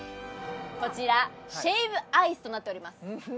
こちらシェイブアイスとなっております